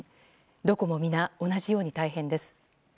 どこも皆、同じように大変です。